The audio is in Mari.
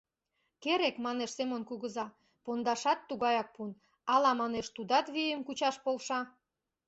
— Керек, — манеш Семон кугыза, — пондашат тугаяк пун, ала, манеш, тудат вийым кучаш полша.